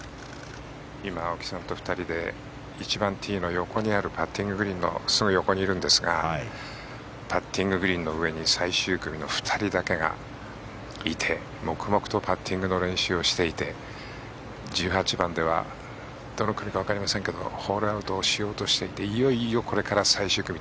今、青木さんと横で１番ティーのところにあるパッティンググリーンのすぐ横にいるんですがパッティンググリーンに最終組の２人だけがいて黙々とパッティングの練習をしていて１８番ではどの組かわかりませんがホールアウトをしようとしていていよいよこれから最終組。